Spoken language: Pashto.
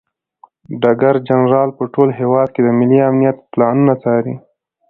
ډګر جنرال په ټول هیواد کې د ملي امنیت پلانونه څاري.